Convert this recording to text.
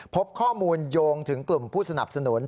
พบข้อมูลโยงถึงกลุ่มผู้สนับสนุน